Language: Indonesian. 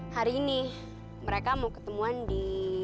hari ini mereka mau ketemuan di